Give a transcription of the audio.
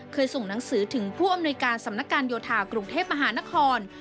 ส่งหนังสือถึงผู้อำนวยการสำนักการโยธากรุงเทพมหานคร